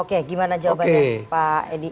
oke gimana jawabannya pak edi